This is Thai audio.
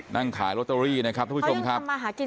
นั่งขายลอตเตอรี่นะครับทุกผู้ชมครับ